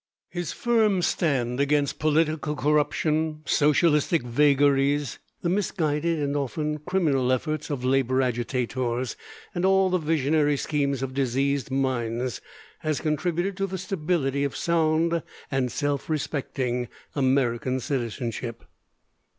His firm stand against political corruption, socialistic vagaries, the misguided and often criminal efforts of labor agitators, and all the visionary schemes of diseased minds, has contributed to the stability of sound and self respecting American citizenship.